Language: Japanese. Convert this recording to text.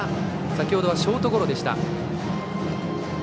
先程はショートゴロでした。